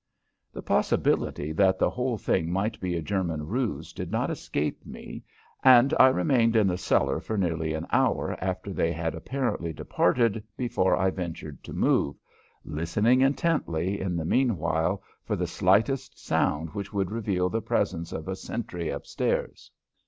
The possibility that the whole thing might be a German ruse did not escape me, and I remained in the cellar for nearly an hour after they had apparently departed before I ventured to move, listening intently in the mean while for the slightest sound which would reveal the presence of a sentry up stairs.